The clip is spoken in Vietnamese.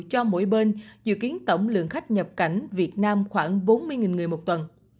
cho mỗi bên dự kiến tổng lượng khách nhập cảnh việt nam khoảng bốn mươi người một tuần